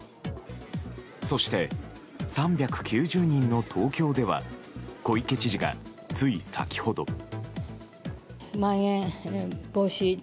そして３９０人の東京では小池知事が、つい先ほど。